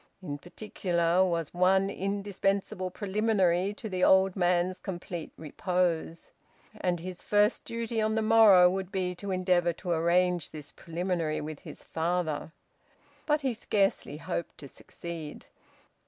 In particular there was one indispensable preliminary to the old man's complete repose, and his first duty on the morrow would be to endeavour to arrange this preliminary with his father; but he scarcely hoped to succeed.